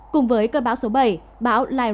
cùng với cơn bão số bảy bão lai rong